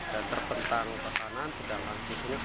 dan terpentang ke kanan